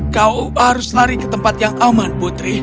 kau harus lari ke tempat yang aman putri